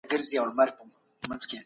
ماشوم به خپل هدف ترلاسه کړي.